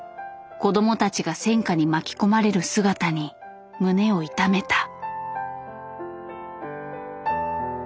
子どもたちが戦渦に巻き込まれる姿に胸を痛めた。